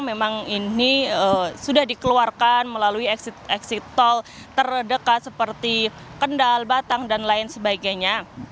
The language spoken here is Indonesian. memang ini sudah dikeluarkan melalui exit tol terdekat seperti kendal batang dan lain sebagainya